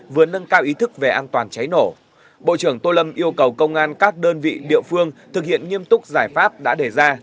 vừa nâng cao ý thức về an toàn cháy nổ bộ trưởng tô lâm yêu cầu công an các đơn vị địa phương thực hiện nghiêm túc giải pháp đã đề ra